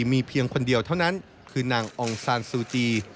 มีเพียงคนเดียวเท่านั้นคือนางองซานซูจี